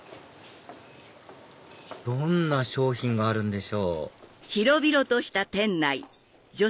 どんな商品があるんでしょう？